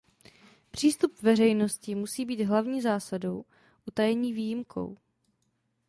Přístup veřejnosti musí být hlavní zásadou, utajení výjimkou.